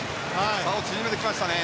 差を縮めてきましたね。